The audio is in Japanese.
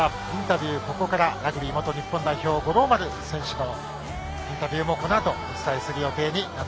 ここからラグビー元日本代表五郎丸選手のインタビューもこのあとお伝えする予定です。